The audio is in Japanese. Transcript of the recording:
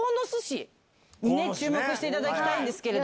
注目していただきたいんですけど。